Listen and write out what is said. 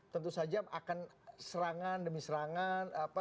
tentu saja akan serangan demi serangan